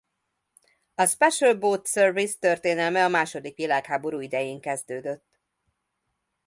A Special Boat Service történelme a második világháború idején kezdődött.